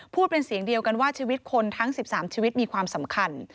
พูดเป็นเสียงเดียวกันว่าชีวิตคนทั้ง๑๓ชีวิตมีความสำคัญ